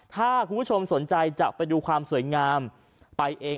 ถ้าคุณผู้ชมสนใจจะไปดูความสวยงามไปเอง